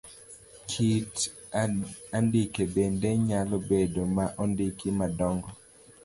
Kit andike bendo nyalo bedo ma ondiki madong'o.